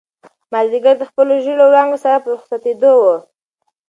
مازیګر د خپلو ژېړو وړانګو سره په رخصتېدو و.